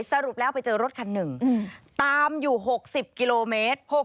สรุปแล้วไปเจอรถคันหนึ่งตามอยู่๖๐กิโลเมตร